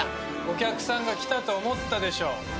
お客さんが来たと思ったでしょ？